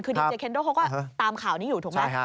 คือดีเจเคนโดเขาก็ตามข่าวนี้อยู่ถูกไหม